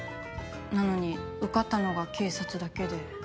なのに受かったのが警察だけで。